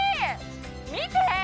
見て！